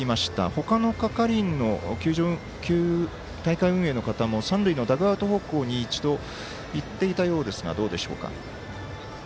他の係員の大会運営の方も三塁のダグアウト方向に一度、行っていたようですがどうでしょうか。